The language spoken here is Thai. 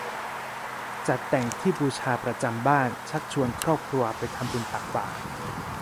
จัดแต่งที่บูชาประจำบ้าน ชักชวนครอบครัวไปทำบุญตักบาตร